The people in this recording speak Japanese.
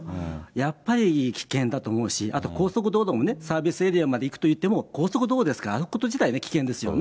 やっぱり危険だと思うし、あと高速道路もね、サービスエリアまで行くといっても、高速道路ですから、歩くこと自体危険ですよね。